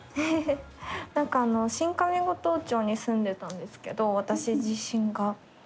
何かあの新上五島町に住んでたんですけど私自身が。